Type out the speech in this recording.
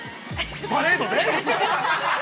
◆パレードで？